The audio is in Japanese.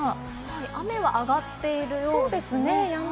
雨は上がってるようですね。